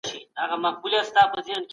تاسو کولای سئ خپل نظریات په جرئت سره ووایئ.